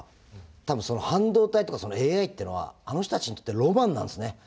多分半導体とかＡＩってのはあの人たちにとってロマンなんですね。